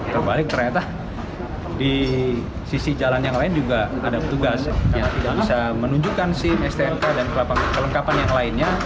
terbalik ternyata di sisi jalan yang lain juga tidak ada petugas yang tidak bisa menunjukkan sim stnk dan kelengkapan yang lainnya